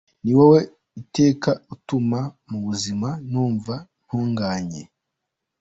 Ni wowe iteka utuma mu buzima numva ntunganye.